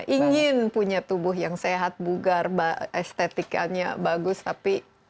ingin punya tubuh yang sehat bugar estetikanya bagus tapi